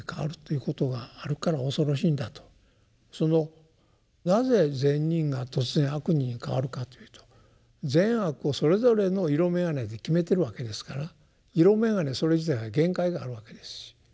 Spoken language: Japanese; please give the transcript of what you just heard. そのなぜ「善人」が突然「悪人」に変わるかというと善悪をそれぞれの色眼鏡で決めてるわけですから色眼鏡それ自体が限界があるわけです。